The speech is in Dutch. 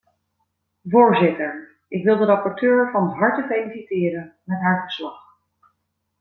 Voorzitter, ik wil de rapporteur van harte feliciteren met haar verslag.